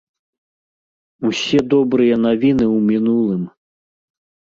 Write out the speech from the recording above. Усе добрыя навіны ў мінулым.